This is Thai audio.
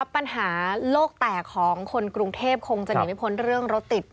ปัญหาโลกแตกของคนกรุงเทพคงจะหนีไม่พ้นเรื่องรถติด